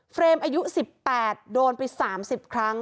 อายุ๑๘โดนไป๓๐ครั้ง